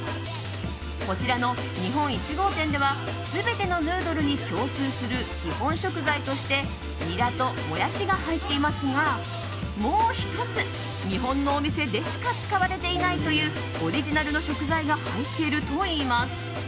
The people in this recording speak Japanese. こちらの日本１号店では全てのヌードルに共通する日本食材としてニラとモヤシが入っていますがもう１つ、日本のお店でしか使われていないというオリジナルの食材が入っているといいます。